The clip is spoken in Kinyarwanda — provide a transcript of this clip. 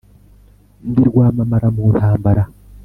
ndi rwamamara mu ntambara,